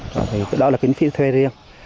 và cái đó là kiến trị thuê riêng